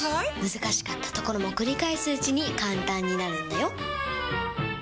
難しかったところも繰り返すうちに簡単になるんだよ！